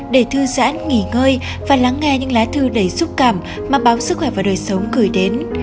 để thư giãn nghỉ ngơi và lắng nghe những lá thư đầy xúc cảm mà báo sức khỏe và đời sống gửi đến